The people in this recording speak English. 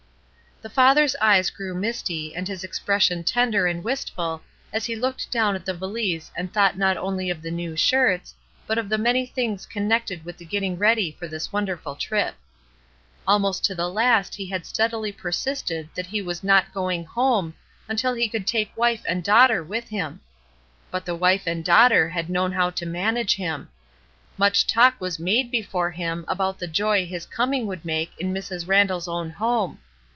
The father's eyes grew misty and his expres sion tender and wistful as he looked dow^n at the valise and thought not only of the new shirts but of many things connected with the getting ready for this wonderful trip. Almost to the last he had steadily persisted that he was not going ''home" until he could take wife and daughter with him. But the wife and daughter had known how to manage him. Much talk was made before him about the joy his coming would make in Mrs. Randall's own home.